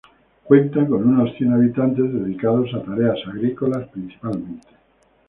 Cuenta con unos cien habitantes dedicados a tareas agrícolas principalmente.